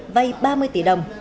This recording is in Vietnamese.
vây ba mươi tỷ đồng